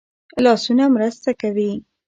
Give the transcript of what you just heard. لاسونه مرسته کوي